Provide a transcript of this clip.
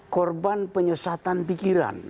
korban penyesatan pikiran